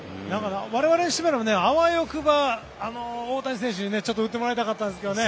我々にしたらあわよくば、大谷選手にちょっと打ってもらいたかったんですけどね。